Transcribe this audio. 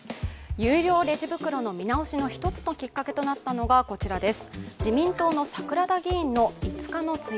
有料レジ袋の見直しの１つのきっかけとなったのが、こちらです。